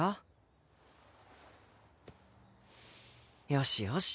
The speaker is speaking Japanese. よしよし。